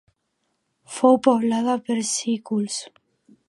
Fou poblada per sículs.